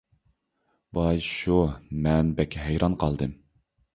ۋاي شۇ، مەنمۇ بەك ھەيران قالدىم.